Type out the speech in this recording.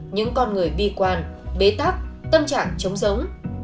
những con người bi quan bế tắc tâm trạng chống giống